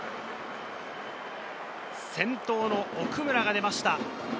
先頭の奥村が出ました。